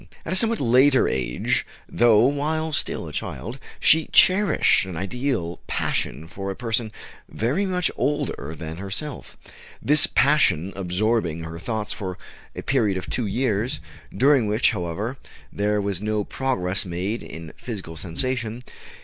At a somewhat later age, though while still a child, she cherished an ideal passion for a person very much older than herself, this passion absorbing her thoughts for a period of two years, during which, however, there was no progress made in physical sensation.